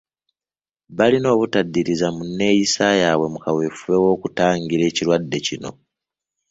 Balina obutaddiriza mu nneeyisa yaabwe mu kaweefube w’okwetangira ekirwadde kino.